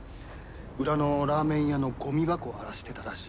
裏のラーメン屋のゴミ箱を荒らしてたらしい。